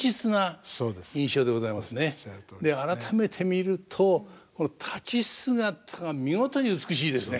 改めて見るとこの立ち姿が見事に美しいですね。